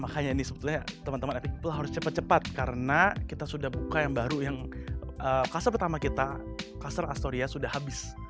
makanya ini sebetulnya teman teman epic people harus cepat cepat karena kita sudah buka yang baru yang kasar pertama kita kasur astoria sudah habis